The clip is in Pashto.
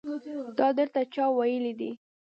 دا درته چا ويلي دي.